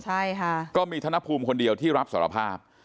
ใช่ค่ะก็มีธนภูมิคนเดียวที่รับสารภาพ